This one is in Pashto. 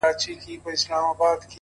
ما وېل سفر کومه ځمه او بیا نه راځمه!